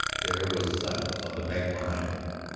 There was silence on the bank behind him.